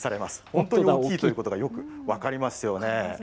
本当に大きいということがよく分かりますよね。